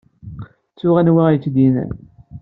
Ttuɣ anwa ay t-id-yennan.